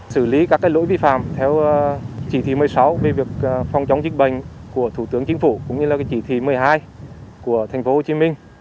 xử lý các lỗi vi phạm theo chỉ thị một mươi sáu về việc phòng chống dịch bệnh của thủ tướng chính phủ cũng như chỉ thị một mươi hai của tp hcm